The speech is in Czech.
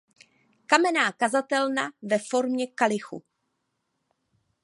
Kamenná kazatelna ve formě kalichu.